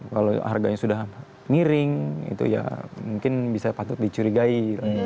kalau harganya sudah miring itu ya mungkin bisa patut dicurigai